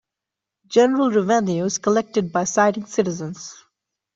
General revenue is collected by citing citizens.